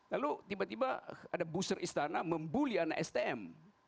lalu tiba tiba ada booster istana membuli anak stm